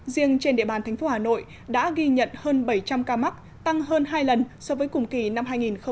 riêng trên địa bàn tp hà nội đã ghi nhận hơn bảy trăm linh ca mắc tăng hơn hai lần so với cùng kỳ năm hai nghìn một mươi chín